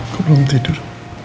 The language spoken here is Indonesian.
kok belum tidur